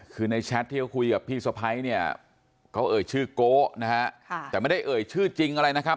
คือในแชทที่เขาคุยกับพี่สะพ้ายเนี่ยเขาเอ่ยชื่อโก๊นะฮะแต่ไม่ได้เอ่ยชื่อจริงอะไรนะครับ